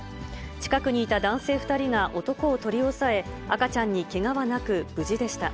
近くにいた男性２人が男を取り押さえ、赤ちゃんにけがはなく、無事でした。